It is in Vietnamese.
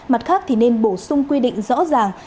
mặt khác thì nên bổ sung quy định rõ ràng